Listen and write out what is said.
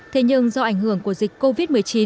thế nhưng do ảnh hưởng của dịch covid một mươi chín